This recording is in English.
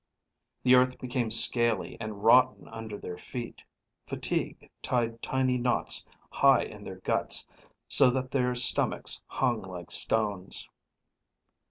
The earth became scaley and rotten under their feet. Fatigue tied tiny knots high in their guts so that their stomachs hung like stones.